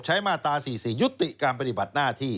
ใช้มาตราสี่สี่ยุติการปฏิบัติหน้าที่